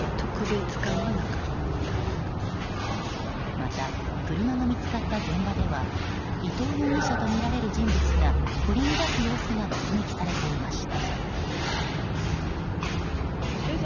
また、車が見つかった現場では伊藤容疑者とみられる人物が取り乱す様子が目撃されていました。